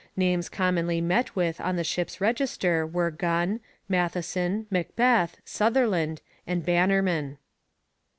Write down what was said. Names commonly met with on the ship's register were Gunn, Matheson, MacBeth, Sutherland, and Bannerman.